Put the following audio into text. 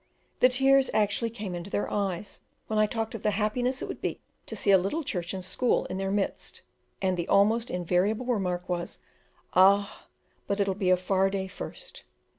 The tears actually came into their eyes when I talked of the happiness it would be to see a little church and school in their midst; and the almost invariable remark was, "Ah, but it'll be a far day first."